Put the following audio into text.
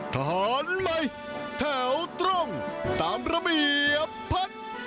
ทหารใหม่แถวตรงตามระเบียบพัก